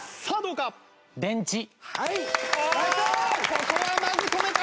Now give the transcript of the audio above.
ここはまず止めた！